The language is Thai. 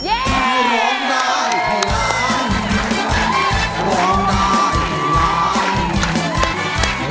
คุณหมูซาร้อง